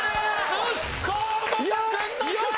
よし！